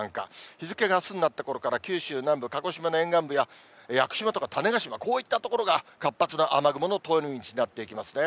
日付があすになったころから九州南部、鹿児島の沿岸部や屋久島とか種子島、こういった所が活発な雨雲の通り道になっていきますね。